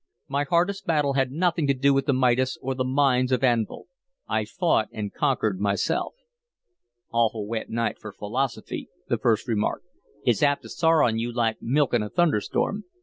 "My hardest battle had nothing to do with the Midas or the mines of Anvil. I fought and conquered myself." "Awful wet night for philosophy," the first remarked. "It's apt to sour on you like milk in a thunder storm.